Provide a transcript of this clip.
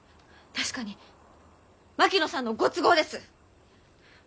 確かに槙野さんのご都合です！